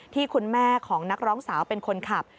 ที่คุณแม่ของนักร้องสาวเป็นคนขับ